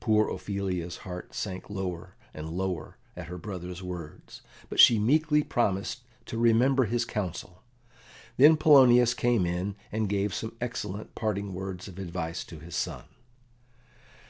Poor Ophelia's heart sank lower and lower at her brother's words, but she meekly promised to remember his counsel. Then Polonius came in and gave some excellent parting words of advice to his son.